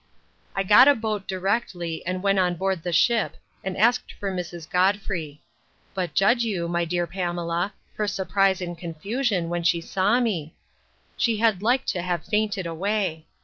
I got a boat directly, and went on board the ship, and asked for Mrs. Godfrey. But judge you, my dear Pamela, her surprise and confusion, when she saw me! She had like to have fainted away.